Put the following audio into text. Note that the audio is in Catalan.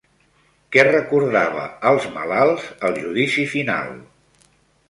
Què recordava als malalts el Judici Final?